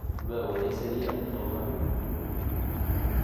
Luego de ese día, todo cambió.